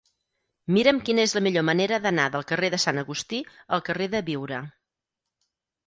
Mira'm quina és la millor manera d'anar del carrer de Sant Agustí al carrer de Biure.